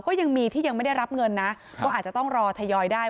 ก็ยังมีที่ยังไม่ได้รับเงินนะก็อาจจะต้องรอทยอยได้